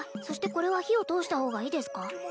そしてこれは火を通した方がいいですか？